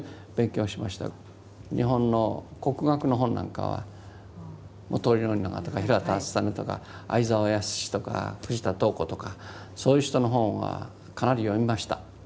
日本の国学の本なんかは本居宣長とか平田篤胤とか会沢安とか藤田東湖とかそういう人の本はかなり読みました。